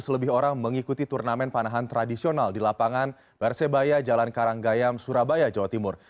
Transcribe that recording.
seratus lebih orang mengikuti turnamen panahan tradisional di lapangan persebaya jalan karanggayam surabaya jawa timur